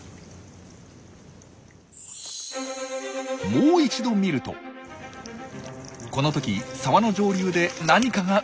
もう一度見るとこの時沢の上流で何かが動いています。